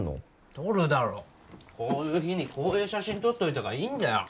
撮るだろこういう日にこういう写真撮っといた方がいいんだよ